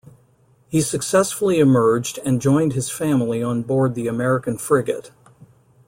He successfully emerged and joined his family on board the American frigate.